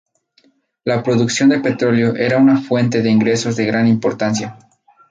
La producción de petróleo era una fuente de ingresos de gran importancia.